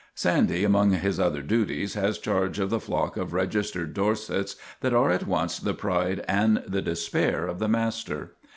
Sandy, among his other duties, has charge of the flock of registered Dorsets that are at once the pride and the despair of the master.